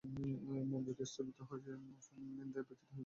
মন যদি স্তুতিতে হৃষ্ট হয়, নিন্দায় ব্যথিত হইবে।